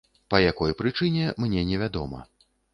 Па якой прычыне, мне не вядома.